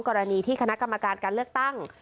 กรณีที่คณะกรรมการการเลือกตั้ง